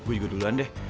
ayo gue juga duluan deh